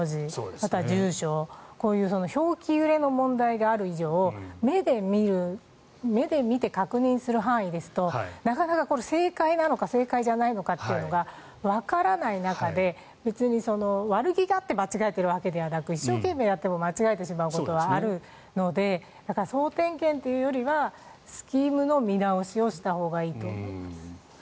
あとは住所、こういう表記揺れの問題である以上目で見て確認する範囲ですとなかなか正解なのか正解じゃないのかというのがわからない中で、悪気があって間違えているわけではなく一生懸命やっても間違ってしまうことはあるので総点検というよりはスキームの見直しをしたほうがいいと思います。